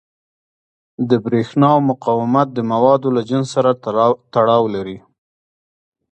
د برېښنا مقاومت د موادو له جنس سره تړاو لري.